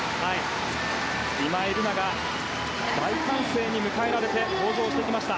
今井月が大歓声に迎えられて登場してきました。